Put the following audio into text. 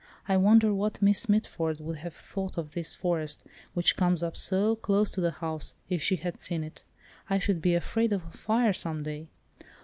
I wonder what Miss Mitford would have thought of this forest, which comes up so close to the house, if she had seen it. I should be afraid of a fire some day."